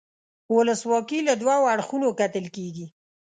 ولسواکي له دوو اړخونو کتل کیږي.